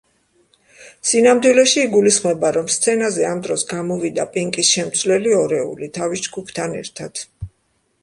სინამდვილეში, იგულისხმება, რომ სცენაზე ამ დროს გამოვიდა პინკის შემცვლელი ორეული, თავის ჯგუფთან ერთად.